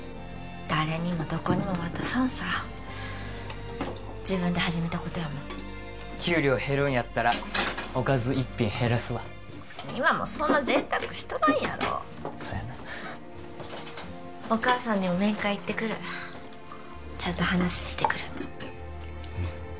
誰にもどこにも渡さんさ自分で始めたことやもん給料減るんやったらおかず一品減らすわ今もそんな贅沢しとらんやろそやなお母さんにも面会行ってくるちゃんと話してくるうん